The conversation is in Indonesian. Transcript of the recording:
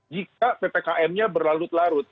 jika ppkm nya berlarut larut